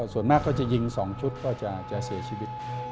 ส่วนมากก็จะยิง๒ชุดก็จะเสียชีวิต